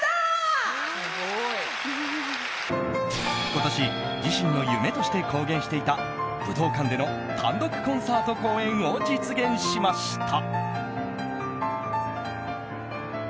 今年、自身の夢として公言していた武道館での単独コンサート公演を実現しました。